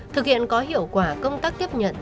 thực hiện có hiệu quả công tác tiếp nhận